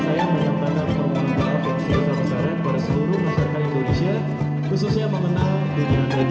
dua ribu delapan belas saya tahu itu banyak yang saya ikut kemudian saya menunjukkan dengan